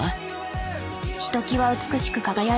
「ひときわ美しく輝いている」。